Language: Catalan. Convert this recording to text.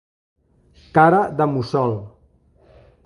Cara de mussol.